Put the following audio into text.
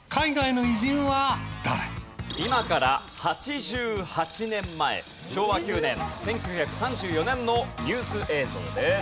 今から８８年前昭和９年１９３４年のニュース映像です。